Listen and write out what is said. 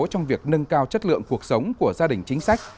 trong việc nâng cao chất lượng cuộc sống của gia đình chính sách